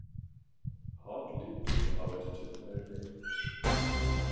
Hart lebte und arbeitete in Melbeck.